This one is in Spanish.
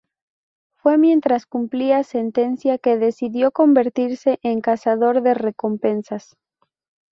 Fue mientras cumplía sentencia que decidió convertirse en cazador de recompensas.